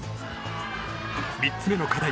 ３つ目の課題